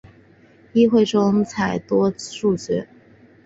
议会中采多数决。